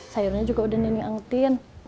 sayurnya juga udah nining angetin